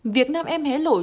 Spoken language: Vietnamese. việc nam em hé lỗi